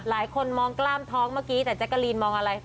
หลายคนมองกล้ามท้องเมื่อกี้แต่แจ๊กกะลีนมองอะไร